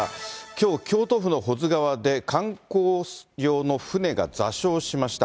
きょう、京都府の保津川で観光用の舟が座礁しました。